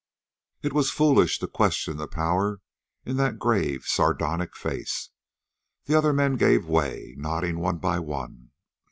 It was foolish to question the power in that grave, sardonic face. The other men gave way, nodding one by one.